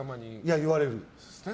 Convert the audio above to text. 言われる。